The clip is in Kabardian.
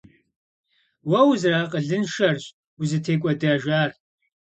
Уэ узэрыакъылыншэрщ узытекӀуэдэжар.